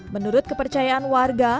menurut kepercayaan warga